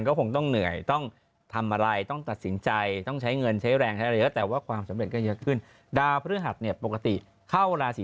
ก็จะนิมนท์พระจากวัดอะไรมา